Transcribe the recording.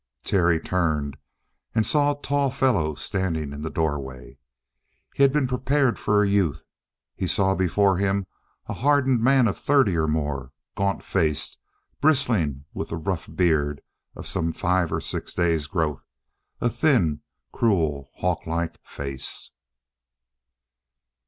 Terry turned and saw a tall fellow standing in the doorway. He had been prepared for a youth; he saw before him a hardened man of thirty and more, gaunt faced, bristling with the rough beard of some five or six days' growth, a thin, cruel, hawklike face.